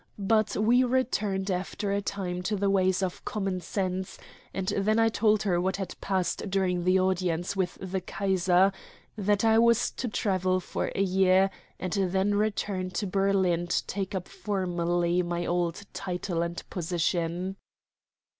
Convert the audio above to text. But we returned after a time to the ways of common sense, and then I told her what had passed during the audience with the Kaiser; that I was to travel for a year, and then return to Berlin to take up formally my old title and position.